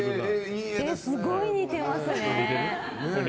すごい似てますね。